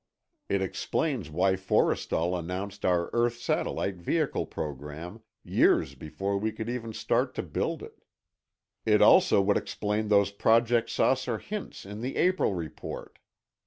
It explains why Forrestal announced our Earth Satellite Vehicle program, years before we could even start to build it. It also would explain those Project 'Saucer' hints in the April report."